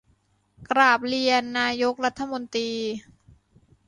กราบเรียนนายกรัฐมนตรี